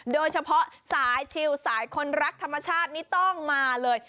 โดยเฉพาะสายชิลสายคนรักธรรมชาตินี่ต้องมาเลย